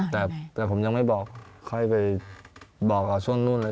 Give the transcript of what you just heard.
แต่ผมยังไม่บอกค่อยไปบอกช่วงนู่นเลย